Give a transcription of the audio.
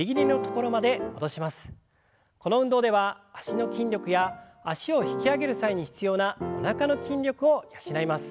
この運動では脚の筋力や脚を引き上げる際に必要なおなかの筋力を養います。